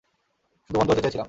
শুধু বন্ধু হতে চেয়েছিলাম।